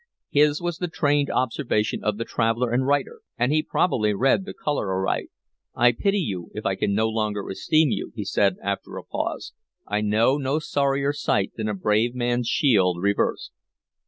His was the trained observation of the traveler and writer, and he probably read the color aright. "I pity you, if I can no longer esteem you," he said, after a pause. "I know no sorrier sight than a brave man's shield reversed."